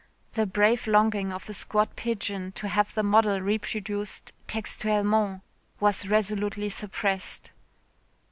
The brave longing of a squat pigeon to have the model reproduced "textuellement" was resolutely suppressed.